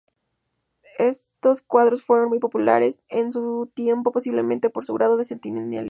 Estos cuadros fueron muy populares en su tiempo, posiblemente, por su grado de sentimentalismo.